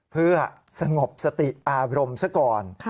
เพื่อสงบสติอารมณ์ซะก่อน